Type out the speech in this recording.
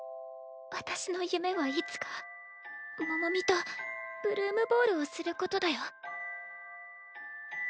私の夢はいつかモモミとブルームボールをすることだよ。